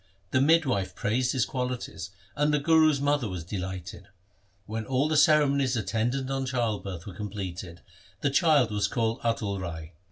The midwife praised his qualities, and the Guru's mother was delighted. When all the cere monies attendant on childbirth were completed, the child was called Atal Rai.